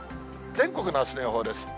全国のあすの予報です。